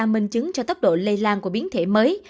quốc gia minh chứng cho tốc độ lây lan của biến thể mới